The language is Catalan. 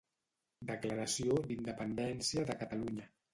Declaració d'Independència de Catalunya